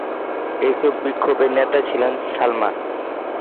এইসব বিক্ষোভের নেতা ছিলেন সালমান।